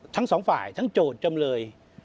ทั้งสองฝ่ายทั้งโจทย์จำเลย